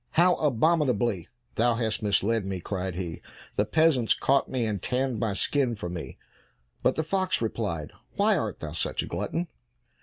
"How abominably thou hast misled me!" cried he, "the peasants caught me, and tanned my skin for me." But the fox replied, "Why art thou such a glutton?"